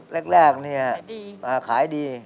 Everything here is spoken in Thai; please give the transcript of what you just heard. คือแรกเนี่ยขายดี